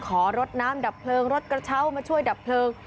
ขอรถน้ำดับเพลิงรถกระเช้ามาช่วยดับเพลิง